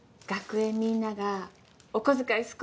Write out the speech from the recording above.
学園みんながお小遣い